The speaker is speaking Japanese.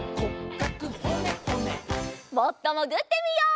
もっともぐってみよう。